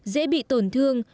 dễ bị tổn thương